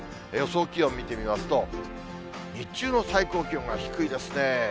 予想気温見てみますと、日中の最高気温が低いですね。